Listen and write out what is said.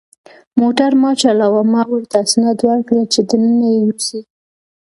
موټر ما چلاوه، ما ورته اسناد ورکړل چې دننه یې یوسي.